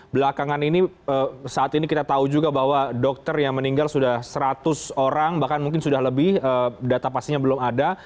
bahkan mungkin sudah lebih data pastinya belum ada